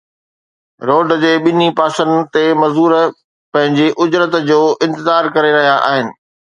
road جي ٻنهي پاسن تي مزدور پنهنجي اجرت جو انتظار ڪري رهيا آهن